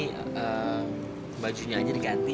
ini aja nih bajunya aja diganti